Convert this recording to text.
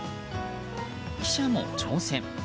記者も挑戦。